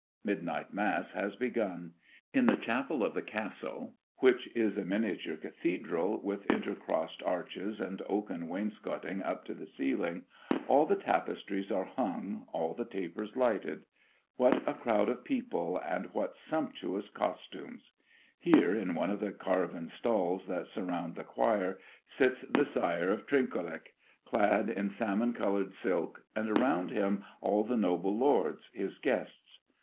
Midnight Mass has begun. In the chapel of the castle, which is a miniature cathedral, with intercrossed arches and oaken wainscoting up to the ceiling, all the tapestries are hung, all the tapers lighted. What a crowd of people, and what sumptuous costumes! Here, in one of the carven stalls that surround the choir, sits the Sire of Trinquelague, clad in salmon colored silk, and around him all the noble lords, his guests.